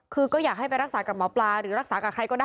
คือก็อยากให้ไปรักษากับหมอปลาหรือรักษากับใครก็ได้